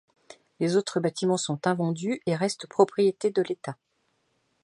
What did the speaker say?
Les autres bâtiments sont invendus et restent propriété de l'État.